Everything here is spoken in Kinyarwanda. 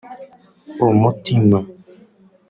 umutima